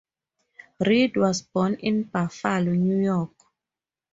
Read was born in Buffalo, New York.